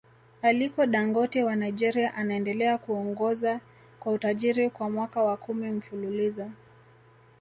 Aliko Dangote wa Nigeria anaendelea kuongoza kwa utajiri kwa mwaka wa Kumi mfululizo